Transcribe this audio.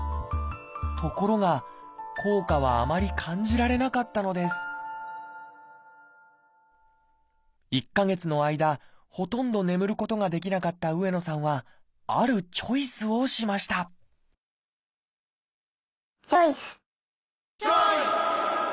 ところが効果はあまり感じられなかったのです１か月の間ほとんど眠ることができなかった上野さんはあるチョイスをしましたチョイス！